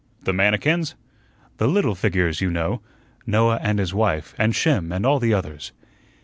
"The manikins?" "The little figures, you know Noah and his wife, and Shem, and all the others."